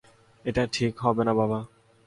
এটা ঠিক হবে না, বাবা।